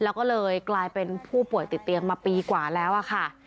แล้วก็เลยกลายเป็นผู้ป่วยติดเตียงมาปีกว่าแล้วค่ะ